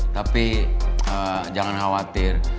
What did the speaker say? tapi jangan khawatir